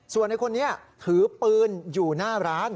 ส่วนในคนนี้ถือปืนอยู่หน้าร้าน